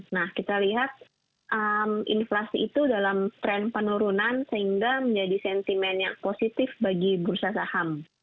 nah kita lihat inflasi itu dalam tren penurunan sehingga menjadi sentimen yang positif bagi bursa saham